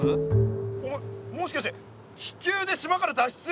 お前もしかして気球で島から脱出するってこと？